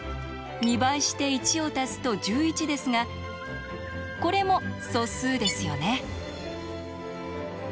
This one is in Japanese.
２倍して１を足すと１１ですがこれも素数ですよね。